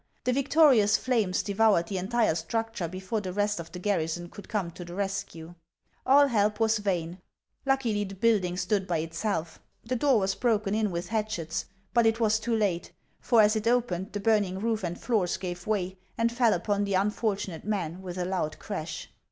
The victori ous flames devoured the entire structure before the rest of the garrison could come to the rescue. All help was vain. Luckily, the building stood by itself. The door was broken in with hatchets, but it was too late ; for as it opened, the burning roof and floors gave way, and fell upon the unfortunate men with a loud crash.